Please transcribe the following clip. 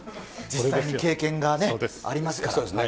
実際に経験がね、ありますから。